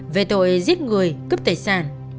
về tội giết người cấp tài sản